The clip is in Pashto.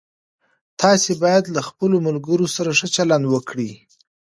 تاسو باید له خپلو ملګرو سره ښه چلند وکړئ.